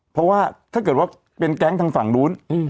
เพราะว่าถ้าเกิดว่าเป็นแก๊งทางฝั่งนู้น